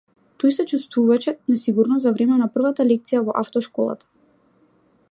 Тој се чувствуваше несигурно за време на првата лекција во автошколата.